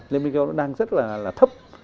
liên minh châu âu đang rất là thấp